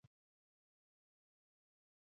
ناتوفیان ښکارګر او خوراک لټونکي وو.